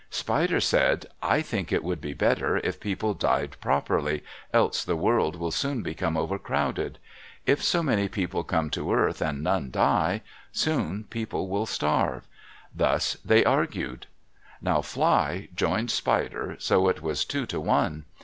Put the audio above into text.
Spider said, "I think it would be better if people died properly, else the world will soon become overcrowded. If so many people come to earth and none die, soon people will starve." Thus they argued. Now Fly joined Spider, so it was two to one.